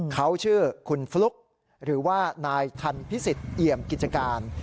เขาชื่อคุณฟลุ๊กหรือว่านายทันพิสิทธิเอี่ยมกิจการ